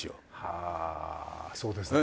はあそうですね。